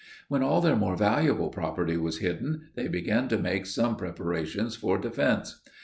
When all their more valuable property was hidden, they began to make some preparations for defense.